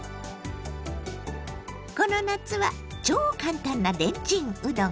この夏は超簡単なレンチンうどん。